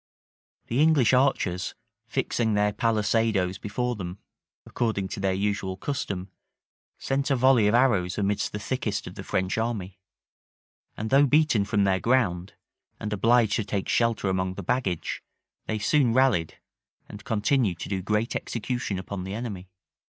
The English archers, fixing their palisadoes before them, according to their usual custom, sent a volley of arrows amidst the thickest of the French army; and though beaten from their ground, and obliged to take shelter among the baggage, they soon rallied, and continued to do great execution upon the enemy.